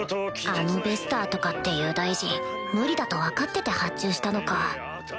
あのベスターとかっていう大臣無理だと分かってて発注したのか